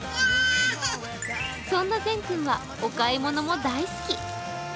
そんなぜん君はお買い物も大好き。